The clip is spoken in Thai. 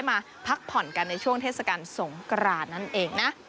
มาพักผ่อนกันในช่วงเทศกาลสงกรานนั่นเองนะ